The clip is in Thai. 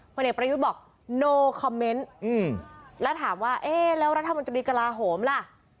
เอกประยุทธ์บอกโนคอมเมนต์แล้วถามว่าเอ๊ะแล้วรัฐมนตรีกระลาโหมล่ะ